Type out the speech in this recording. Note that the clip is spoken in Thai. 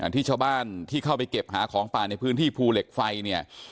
ที่ชาวบ้านที่เข้าไปเก็บหาของป่าในพื้นที่ภูเหล็กไฟเนี่ย